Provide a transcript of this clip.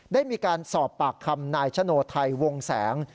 ได้มีการสอบปากคำนายชโนไทยวงแสง